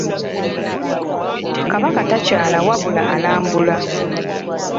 Kabaka takyala wabula alambula.